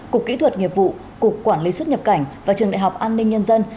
cục kỹ thuật nghiệp vụ cục quản lý xuất nhập cảnh và trường đại học an ninh nhân dân